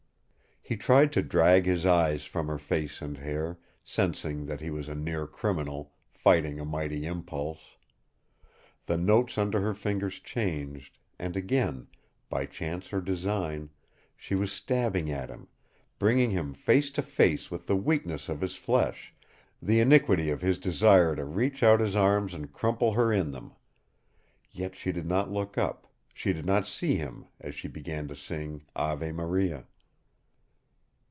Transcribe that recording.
He tried to drag his eyes from her face and hair, sensing that he was a near criminal, fighting a mighty impulse. The notes under her fingers changed, and again by chance or design she was stabbing at him; bringing him face to face with the weakness of his flesh, the iniquity of his desire to reach out his arms and crumple her in them. Yet she did not look up, she did not see him, as she began to sing "Ave Maria."